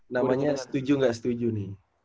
namanya setuju nggak setuju nih